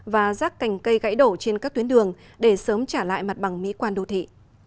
và rác cành cây gãy đổ trên các tuyến đường để sớm trả lại mặt bằng mỹ quan đô thị